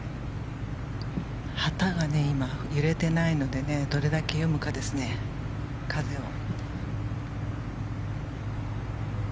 旗が今、揺れてないのでどれだけ読むかですね、風を。